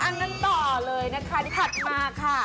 อันนั้นต่อเลยนะคะถัดมาค่ะ